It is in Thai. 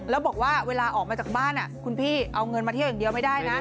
แล้วบอกว่าเวลาออกมาจากบ้านคุณพี่เอาเงินมาเที่ยวอย่างเดียวไม่ได้นะ